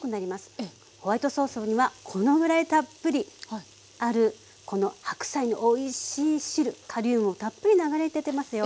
ホワイトソースにはこのぐらいたっぷりあるこの白菜のおいしい汁カリウムもたっぷり流れ出てますよ。